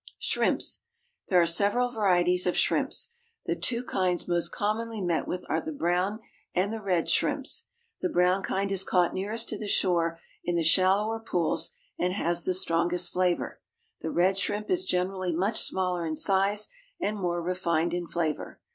=Shrimps.= There are several varieties of shrimps. The two kinds most commonly met with are the brown and the red shrimps. The brown kind is caught nearest to the shore in the shallower pools, and has the strongest flavour. The red shrimp is generally much smaller in size and more refined in flavour.